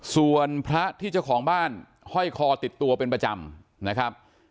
ส่วนพระที่เจ้าของบ้านห้อยคอติดตัวเป็นประจำนะครับ